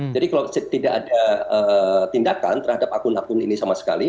jadi kalau tidak ada tindakan terhadap akun akun ini sama sekali